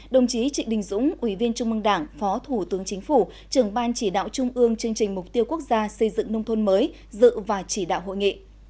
đồng chí trịnh đình dũng ủy viên trung mương đảng phó thủ tướng chính phủ trưởng ban chỉ đạo trung ương chương trình mục tiêu quốc gia xây dựng nông thôn mới dự và chỉ đạo hội nghị